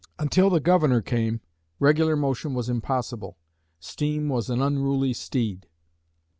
Until the governor came regular motion was impossible steam was an unruly steed.